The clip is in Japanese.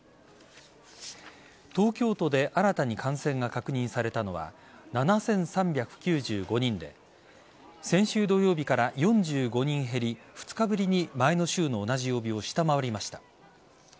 東京都で新たに感染が確認されたのは７３９５人で先週土曜日から４５人減り２日ぶりに前の週の同じ曜日を下回りました。